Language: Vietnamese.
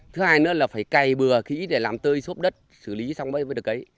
thứ hai nữa là phải cày bừa khí để làm tơi xốp đất xử lý xong mới được cấy